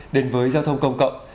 đến với giao thông công cộng